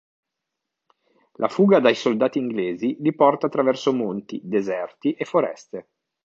La fuga dai soldati inglesi li porta attraverso monti, deserti e foreste.